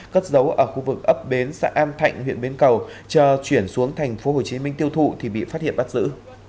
cất dấu ở khu vực ấp bến xã an thạnh huyện bến cầu chờ chuyển xuống thành phố hồ chí minh tiêu thụ thì bị phát hiện bắt giữ